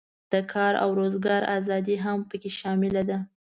د کار او روزګار آزادي هم پکې شامله ده.